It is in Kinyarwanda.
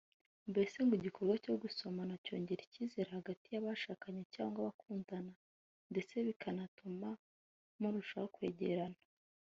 Mbese ngo igikorwa cyo gusomana cyongera ikizere hagati y’abashakanye cyangwa abakundana ndetse bikanatuma murushaho kwegerana